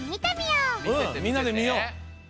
うんみんなでみよう！